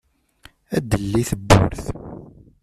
ad d-telli tewwurt.